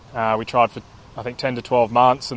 kami mencoba selama sepuluh dua belas bulan